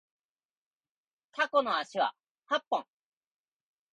タコの足は八本